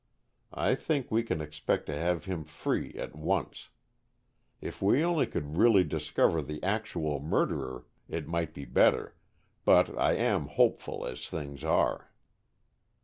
I think we can expect to have him free at once. If we only could really discover the actual murderer, it might be better, but I am hopeful, as things are."